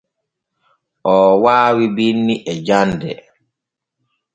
Oo waawi binni e jande.